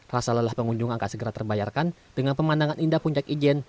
rasa lelah pengunjung akan segera terbayarkan dengan pemandangan indah puncak ijen